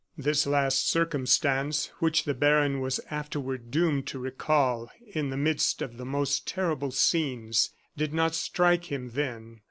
This last circumstance, which the baron was afterward doomed to recall in the midst of the most terrible scenes, did not strike him then.